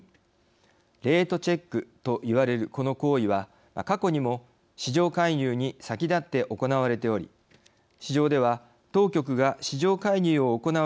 レートチェックといわれるこの行為は過去にも市場介入に先立って行われており市場では当局が市場介入を行う用意がある。